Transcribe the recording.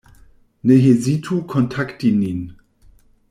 Ne hezitu kontakti nin.